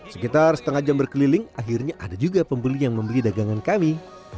sekitar setengah jam berkeliling akhirnya ada juga pembeli yang membeli dagangan kami